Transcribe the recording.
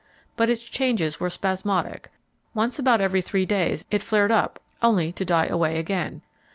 But its changes were spasmodic; once about every three days it flared up only to die away again.